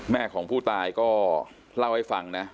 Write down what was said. แม่ของผู้ตายก็เล่าให้ฟังนะ